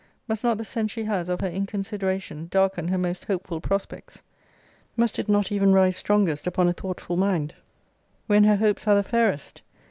Must not the sense she has of her inconsideration darken her most hopeful prospects? Must it not even rise strongest upon a thoughtful mind, when her hopes are the fairest?